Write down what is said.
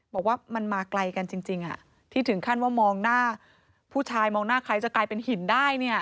บอกว่ามันมาไกลกันจริงที่ถึงขั้นว่ามองหน้าผู้ชายมองหน้าใครจะกลายเป็นหินได้เนี่ย